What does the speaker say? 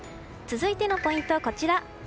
続いてのポイントはこちら。